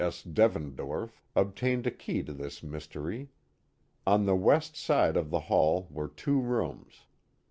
S. Devendorf» obtiuaed a losy to this mystdy. On the west side of the hall were two rooms.